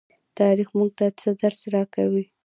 تاریخ موږ ته څه درس راکوي؟